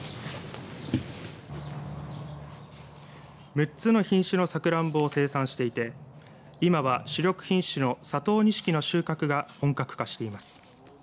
６つの品種のサクランボを生産していて今は主力品種の佐藤錦の収穫が本格化しています。